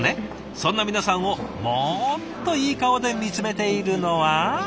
そんな皆さんをもっといい顔で見つめているのは。